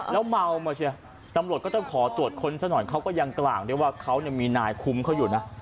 แล้วเมามาเชียตำรวจก็ต้องขอตรวจค้นซะหน่อยเขาก็ยังกล่าวด้วยว่าเขามีนายคุ้มเขาอยู่นะ